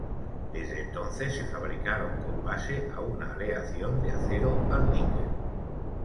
Desde entonces, se fabricaron con base a una aleación de acero al níquel.